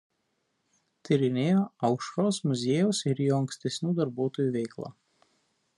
Tyrinėjo Aušros muziejaus ir jo ankstesnių darbuotojų veiklą.